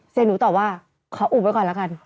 เสียหนูตอบว่าขออุบไว้ก่อนแล้วกัน